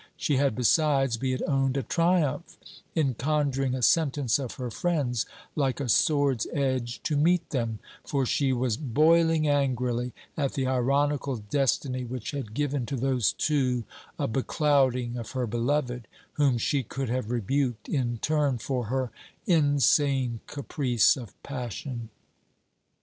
She had besides, be it owned, a triumph in conjuring a sentence of her friend's, like a sword's edge, to meet them; for she was boiling angrily at the ironical destiny which had given to those Two a beclouding of her beloved, whom she could have rebuked in turn for her insane caprice of passion.